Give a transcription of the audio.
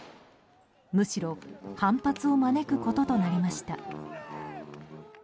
むしろ反発を招くこととなりました。